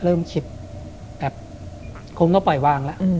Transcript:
เริ่มคิดแบบคงต้องปล่อยวางแล้ว